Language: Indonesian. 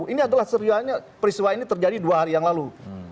ini adalah serialnya peristiwa ini terjadi dua hari yang lalu